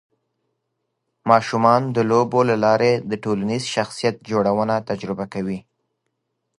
ماشومان د لوبو له لارې د ټولنیز شخصیت جوړونه تجربه کوي.